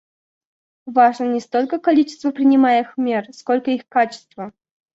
Важно не столько количество принимаемых мер, сколько их качество.